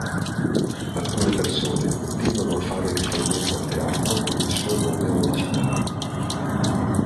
Alcune persone continuano a fare riferimento al teatro con il suo nome originale.